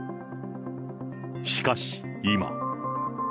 しかし、今。